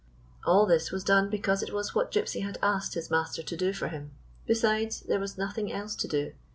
All this was done because it was what Gypsy had asked his master to do for him. Besides, there was nothing else to do.